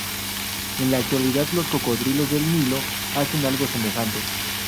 En la actualidad, los cocodrilos del Nilo hacen algo semejante.